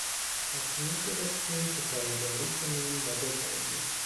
تصمیم گرفتیم که پایداری کنیم و بجنگیم.